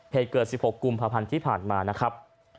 เหตุเกิด๑๖กุมภาพันธ์ที่ผ่านมานะครับ